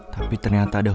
tapi ternyata ada